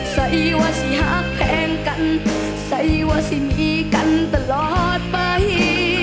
ใส่ว่าสิหากแพงกันใส่ว่าสิมีกันตลอดไป